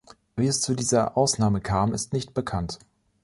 Wie es zu dieser Ausnahme kam, ist nicht bekannt.